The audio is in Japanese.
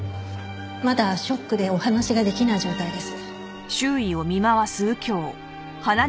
まだショックでお話ができない状態です。